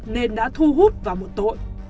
nên đã thu hút vào một tội